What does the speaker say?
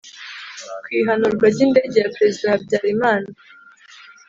ku ihanurwa ry'indege ya perezida habyarimana